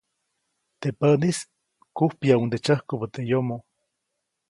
Teʼ päʼnis, kujpyäʼuŋde tsyäjkubä teʼ yomoʼ.